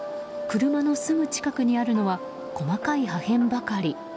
車のすぐ近くにあるのは細かい破片ばかり。